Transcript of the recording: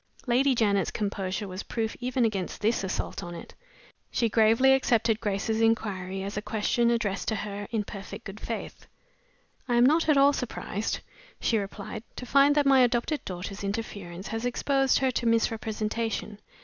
Lady Janet's composure was proof even against this assault on it. She gravely accepted Grace's inquiry as a question addressed to her in perfect good faith. "I am not at all surprised," she replied, "to find that my adopted daughter's interference has exposed her to misrepresentation.